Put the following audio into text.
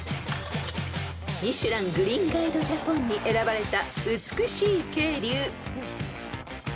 ［『ミシュラン・グリーンガイド・ジャポン』に選ばれた美しい渓流］